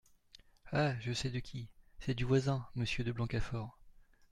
Ah ! je sais de qui… c’est du voisin, Monsieur de Blancafort !